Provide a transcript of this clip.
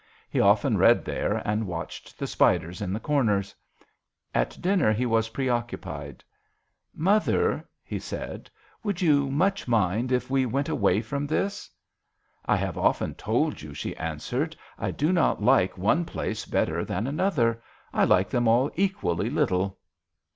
He often read there and watched the spiders in the corners. At dinner he was preoccupied. " Mother," he said, " would you much mind if we went away from this?" " I have often told you," she answered, " I do not like one place better than another. I like them all equally little."